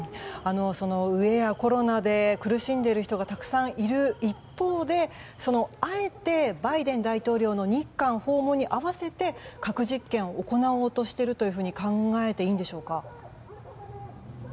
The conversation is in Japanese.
飢えやコロナで苦しんでいる人がたくさんいる一方であえてバイデン大統領の日韓訪問に合わせて核実験を行おうとしていると考えていいんでしょうか？